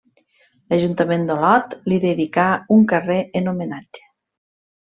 L'ajuntament d'Olot li dedicà un carrer en homenatge.